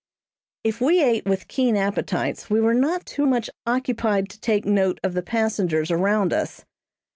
If we ate with keen appetites, we were not too much occupied to take note of the passengers around us.